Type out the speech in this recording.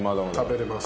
食べれます。